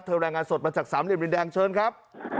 รายงานสดมาจากสามเหลี่ยมดินแดงเชิญครับ